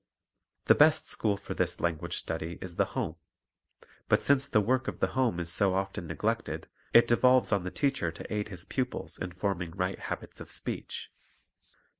The best school for this language study is the home; but since the work of the home is so often neglected, it devolves on the teacher to aid his pupils in forming right habits of speech.